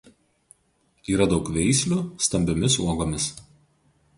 Yra daug veislių stambiomis uogomis.